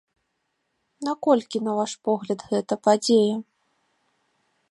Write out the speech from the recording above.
Наколькі, на ваш погляд, гэта падзея?